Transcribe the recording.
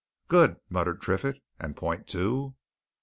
"Good!" muttered Triffitt. "And point two?"